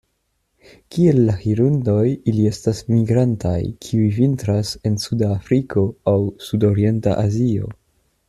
Kiel la hirundoj, ili estas migrantaj, kiuj vintras en suda Afriko aŭ sudorienta Azio.